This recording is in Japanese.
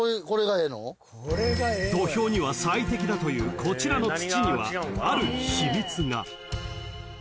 ［土俵には最適だというこちらの土にはある秘密が］